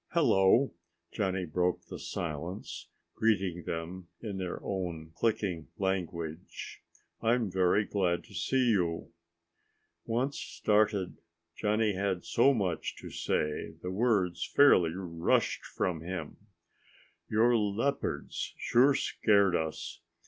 "Hello," Johnny broke the silence, greeting them in their own clicking language. "I am very glad to see you." Once started, Johnny had so much to say the words fairly rushed from him. "Your leopards sure scared us.